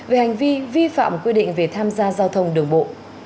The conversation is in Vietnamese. về hành vi vi phạm quy định về tham gia giao thông đường bộ